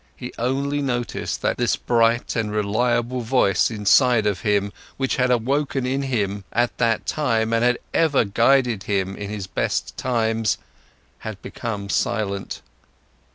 He only noticed that this bright and reliable voice inside of him, which had awoken in him at that time and had ever guided him in his best times, had become silent.